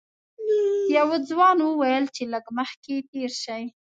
یوه ځوان وویل چې لږ مخکې تېر شئ.